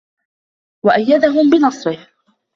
وَأَيَّدَهُمْ بِنَصْرِهِ